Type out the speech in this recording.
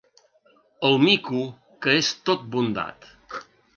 El mico que és tot bondat.